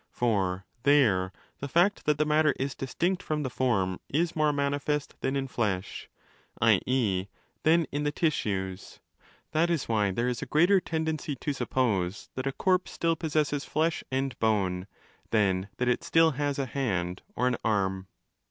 For there the fact that the matter is distinct from the form is 30 more manifest than in flesh, i.e. than in the tissues. That is why there is a greater tendency to suppose that a corpse still possesses flesh and bone than that it still has a hand or an arm.